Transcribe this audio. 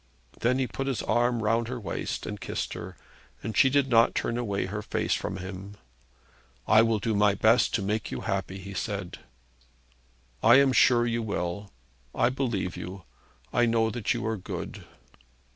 Then he put his arm round her waist and kissed her, and she did not turn away her face from him. 'I will do my best also to make you happy,' he said. 'I am sure you will. I believe you. I know that you are good.'